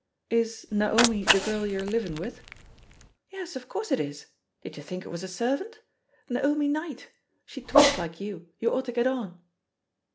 '' "Is 'Naomi' the girl you're living with?" *'Yes, of course it is; did you think it was a servant? Naomi Knight. She talks like vou — you ought to get on."